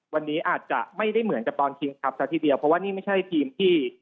วันนี้อาจจะไม่ได้เหมือนกับตอนคิงครับซะทีเดียวเพราะว่านี่ไม่ใช่ทีมที่